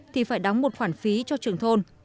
phải đóng một khoản phí cho trường thôn